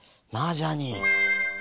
ジャーニー。